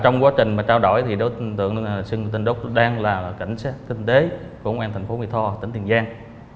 trong quá trình mà trao đổi thì đối tượng sinh tên đốc đang là cảnh sát kinh tế của công an thành phố mỹ tho tỉnh tiền giang